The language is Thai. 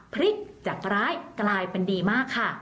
พลิกจากร้ายกลายเป็นดีมากค่ะ